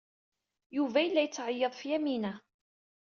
Yuba yella yettɛeyyiḍ ɣef Yamina.